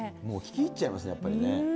もう聴き入っちゃいますね、やっぱりね。